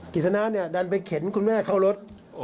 กิษณะดันไปเข็นคุณแม่เข้ารถ